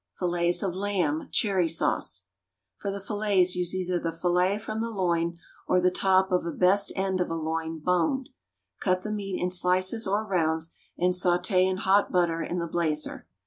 =Fillets of Lamb, Cherry Sauce.= For the fillets use either the fillet from the loin or the top of a "best end of a loin" boned. Cut the meat in slices or rounds, and sauté in hot butter in the blazer.